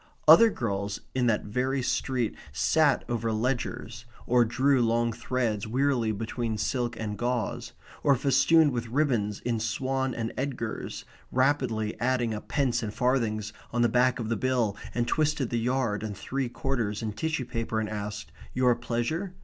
Other girls in that very street sat over ledgers, or drew long threads wearily between silk and gauze; or, festooned with ribbons in Swan and Edgars, rapidly added up pence and farthings on the back of the bill and twisted the yard and three quarters in tissue paper and asked "Your pleasure?"